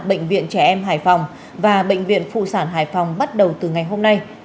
bệnh viện trẻ em hải phòng và bệnh viện phụ sản hải phòng bắt đầu từ ngày hôm nay